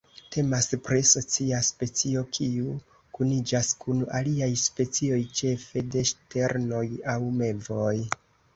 Temas pri socia specio kiu kuniĝas kun aliaj specioj ĉefe de ŝternoj aŭ mevoj.